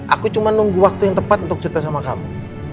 aku cuma nunggu waktu yang tepat untuk cerita sama kamu